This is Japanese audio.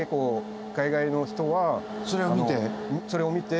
それを見て？